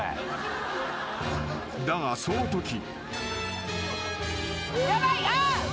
［だがそのとき］